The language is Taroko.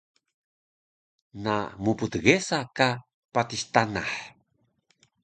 Na mptgesa ka patis tanah